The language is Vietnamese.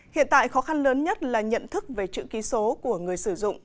hiện tại khó khăn lớn nhất là nhận thức về chữ ký số của người sử dụng